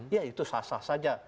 ya itu sah sah saja